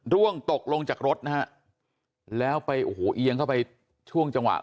ร่วงตกลงจากรถนะฮะแล้วไปโอ้โหเอียงเข้าไปช่วงจังหวะ